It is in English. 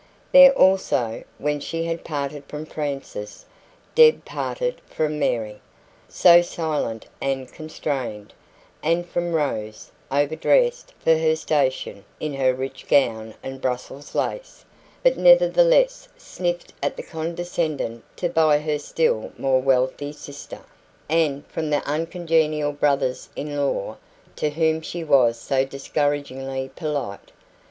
There, also, when she had parted from Frances, Deb parted from Mary, so silent and constrained, and from Rose, over dressed, for her station, in her rich gown and Brussels lace (but nevertheless sniffed at and condescended to by her still more wealthy sister), and from the uncongenial brothers in law, to whom she was so discouragingly polite.